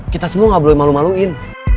kita semua gak boleh malu maluin